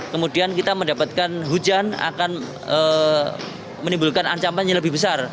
kemudian kita mendapatkan hujan akan menimbulkan ancaman yang lebih besar